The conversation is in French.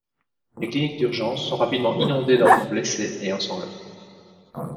Les cliniques d'urgence sont rapidement inondées d'enfants blessés et ensanglantés.